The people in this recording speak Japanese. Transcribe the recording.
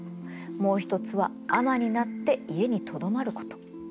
もう一つは尼になって家にとどまること。